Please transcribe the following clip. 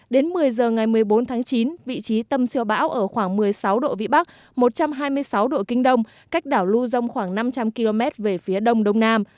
đến một mươi giờ ngày một mươi bốn tháng chín vị trí tâm siêu bão ở khoảng một mươi sáu độ vĩ bắc một trăm hai mươi sáu độ kinh đông cách đảo lưu dông khoảng năm trăm linh km về phía đông đông nam